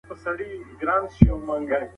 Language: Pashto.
د افغانستان د ابادۍ لپاره یو سئ.